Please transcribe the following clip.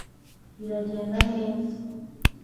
biragenda neza